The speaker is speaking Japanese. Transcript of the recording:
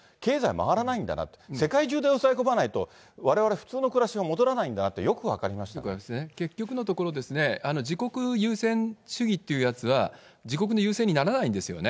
回らないんだな、世界中で抑え込まないと、われわれ普通の暮らしに戻らないんだな結局のところ、自国優先主義っていうやつは、自国の優先にならないんですよね。